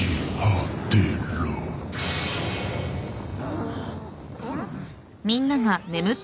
あっ！